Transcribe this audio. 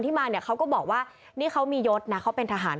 มาเนี่ยเขาก็บอกว่านี่เขามียศนะเขาเป็นทหาร